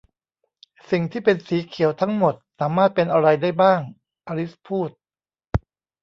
'สิ่งที่เป็นสีเขียวทั้งหมดสามารถเป็นอะไรได้บ้าง ? ' อลิซพูด